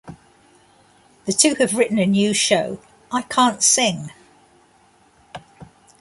The two have written a new show I Can't Sing!